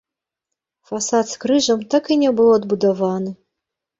Фасад з крыжам так і не быў адбудаваны.